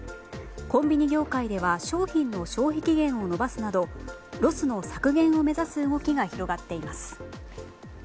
コンビニ業界では商品の消費期限を延ばすなどロスの削減を目指す動きが広がっています。